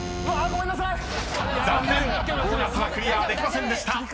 ボーナスはクリアできませんでした］